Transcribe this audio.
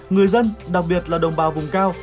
người dân đặc biệt là đồng bào vùng cao